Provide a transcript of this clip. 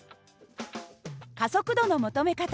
加速度の求め方。